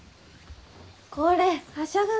これはしゃがないの。